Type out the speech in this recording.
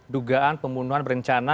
dugaan pembunuhan berencana